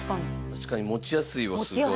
確かに持ちやすいわすごい。